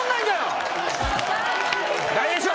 大栄翔。